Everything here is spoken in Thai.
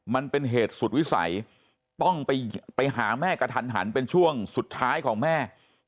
มันเป็นเหตุสุดวิสัยต้องไปหาแม่กระทันหันเป็นช่วงสุดท้ายของแม่